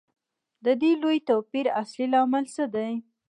د دې لوی توپیر اصلي لامل څه دی